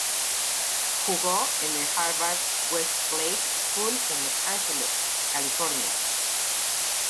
Jugó en el Harvard-Westlake School, en Los Ángeles, California.